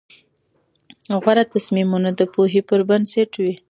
غوره تصمیمونه د پوهې پر بنسټ وي.